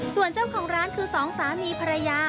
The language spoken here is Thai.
ส่วนเจ้าของร้านคือสองสามีภรรยา